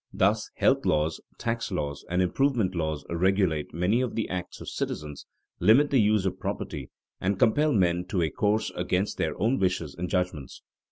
Thus health laws, tax laws, and improvement laws regulate many of the acts of citizens, limit the use of property, and compel men to a course against their own wishes and judgments.